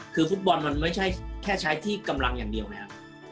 คือฟุตบอลมันไม่ใช่แค่ใช้ที่กำลังอย่างเดียวไงครับ